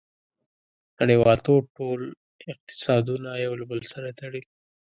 • نړیوالتوب ټول اقتصادونه یو له بل سره تړلي.